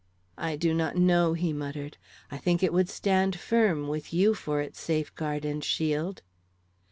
"I do not know," he muttered. "I think it would stand firm with you for its safeguard and shield."